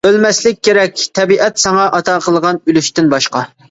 ئۆلمەسلىك كېرەك، تەبىئەت ساڭا ئاتا قىلغان ئۆلۈشتىن باشقا.